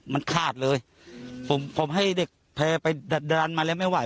มันคาดเลยผมให้เด็กแพ้ไปดัดดันไม่ไหว